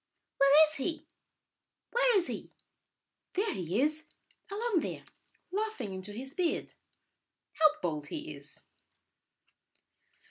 "Where is he? Where is he?" "There he is, along there, laughing into his beard. How bold he is!"